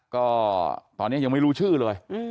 ก็ตอนนี้ยังไม่รู้ชื่อเลย